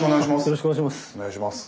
よろしくお願いします。